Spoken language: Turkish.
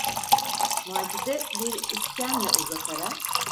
Macide bir iskemle uzatarak: